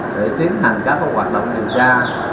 để tiến hành các hoạt động điều tra